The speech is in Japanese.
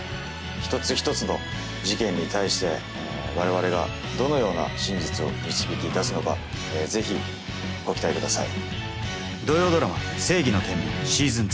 一つ一つの事件に対して我々がどのような真実を導き出すのか是非ご期待ください。